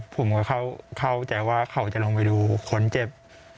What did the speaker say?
ผมก็เข้าใจว่าเขาจะลงไปดูคนเจ็บ